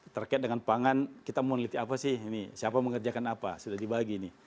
terkait dengan pangan kita meneliti apa sih ini siapa mengerjakan apa sudah dibagi ini